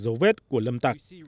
dấu vết của lâm tặc